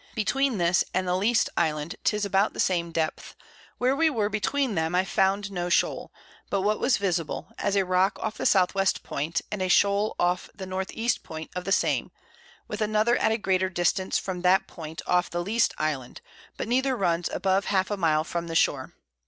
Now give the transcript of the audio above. Between this and the least Island 'tis about the same Depth; where we were between them I found no Shole, but what was visible, as a Rock off the S. W. Point, and a Shole off the N. E. Point of the same, with another at a greater distance from that Point off the least Island, but neither runs above half a Mile from the Shore.